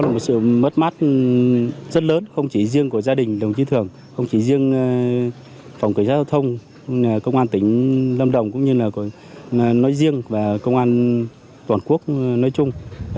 mất mắt rất lớn không chỉ riêng của gia đình đồng chí thường không chỉ riêng phòng cửa giao thông công an tỉnh lâm đồng cũng như là nói riêng và công an toàn quốc nói chung